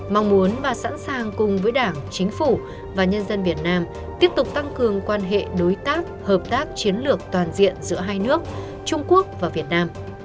mong muốn và sẵn sàng cùng với đảng chính phủ và nhân dân việt nam tiếp tục tăng cường quan hệ đối tác hợp tác chiến lược toàn diện giữa hai nước trung quốc và việt nam